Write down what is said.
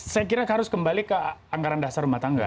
saya kira harus kembali ke anggaran dasar rumah tangga